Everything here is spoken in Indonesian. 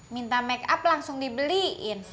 minta make up langsung dibeliin